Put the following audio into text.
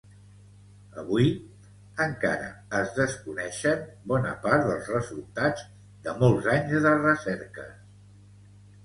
Avui encara es desconeixen bona part dels resultats de molts anys de recerques.